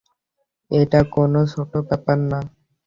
এটা কোনো ছোট ব্যাপার না।